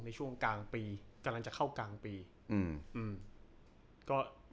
ในช่วงกลางปีกำลังจะเข้ากลางปีอืม